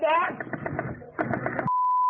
บ๊วยใส่ต่อคิดบอกผมใส่คิดแดง